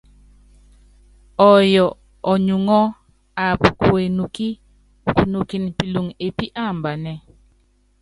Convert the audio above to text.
Ɔyɔ ɔnyuŋɔ́ aap ku enukí ukunɔkɛn pilɔŋ epí aambanɛ.